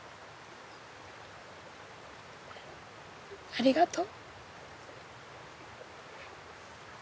ありがとう。